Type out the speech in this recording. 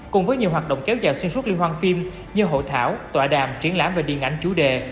cùng với nhiều hoạt động kéo dài xuyên suốt liên hoan phim như hội thảo tọa đàm triển lãm về điện ảnh chủ đề